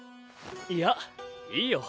いやいいよ。